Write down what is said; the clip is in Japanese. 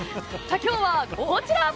今日はこちら。